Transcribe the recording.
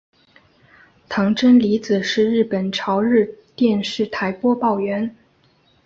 堂真理子是日本朝日电视台播报员。